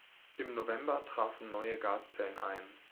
Im November trafen neue Gaszellen ein.